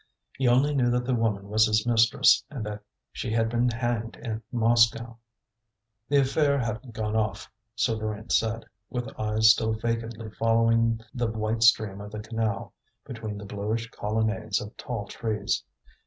He only knew that the woman was his mistress, and that she had been hanged at Moscow. "The affair hadn't gone off," Souvarine said, with eyes still vacantly following the white stream of the canal between the bluish colonnades of tall trees.